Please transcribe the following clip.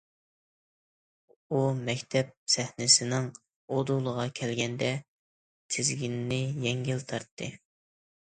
ئۇ، مەكتەپ سەھنىسىنىڭ ئۇدۇلىغا كەلگەندە، تىزگىنىنى يەڭگىل تارتتى.